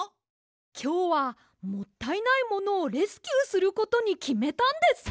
きょうはもったいないものをレスキューすることにきめたんです！